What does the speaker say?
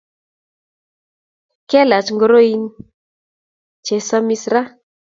Kelaj ngoroik che samis raaa